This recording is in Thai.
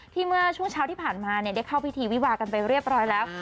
เมื่อช่วงเช้าที่ผ่านมาได้เข้าพิธีวิวากันไปเรียบร้อยแล้ว